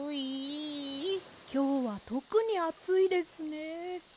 きょうはとくにあついですね。